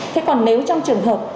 thế còn nếu trong trường hợp